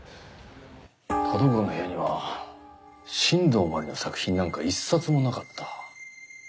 田所の部屋には新道真理の作品なんか一冊もなかった。